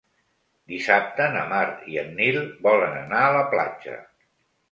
Dissabte na Mar i en Nil volen anar a la platja.